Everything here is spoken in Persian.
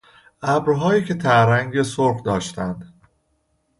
ابرهایی که ته رنگ سرخ داشتند.